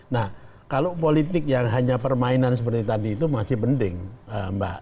nah kalau politik yang hanya permainan seperti tadi itu masih penting mbak